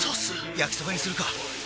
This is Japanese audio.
焼きそばにするか！